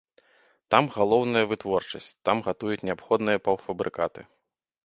Там галоўная вытворчасць, там гатуюць неабходныя паўфабрыкаты.